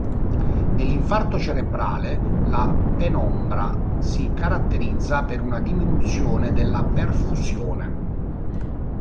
Nell'infarto cerebrale, la penombra si caratterizza per una diminuzione della perfusione.